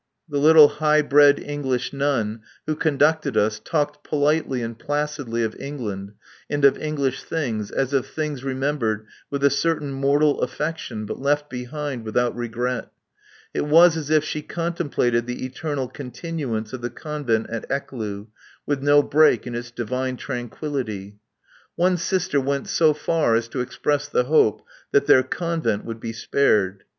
The little high bred English nun who conducted us talked politely and placidly of England and of English things as of things remembered with a certain mortal affection but left behind without regret. It was as if she contemplated the eternal continuance of the Convent at Ecloo with no break in its divine tranquillity. One sister went so far as to express the hope that their Convent would be spared.